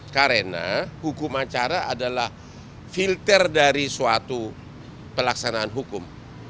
karena hukum acara adalah filter dari suatu pelaksanaan hukum